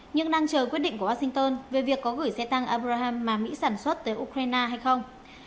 nhưng đang chờ quyết định của washington về việc có gửi xe tăng abraham mà mỹ sản xuất tới ukraine hay không